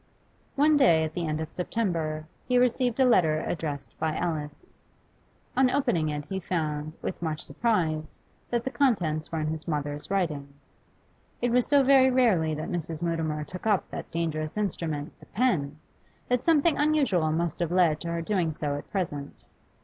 One day at the end of September he received a letter addressed by Alice. On opening it he found, with much surprise, that the contents were in his mother's writing. It was so very rarely that Mrs. Mutimer took up that dangerous instrument, the pen, that something unusual must have led to her doing so at present.